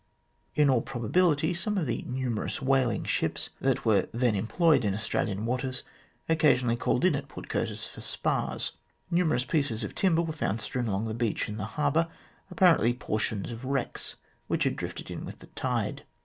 In all probability, some of the numerous whaling ships that were then employed in Australian waters occasionally called in at Port Curtis for spars. Numerous pieces of timber were found strewn along the beach in the harbour, apparently portions of wrecks which had drifted in with the tide.